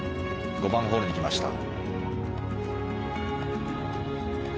５番ホールに来ました。